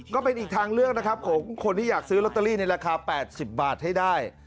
ก็เป็นอีกทางเลือกนะครับของคนที่อยากซื้อลอตเตอรี่ในราคา๘๐บาทให้ได้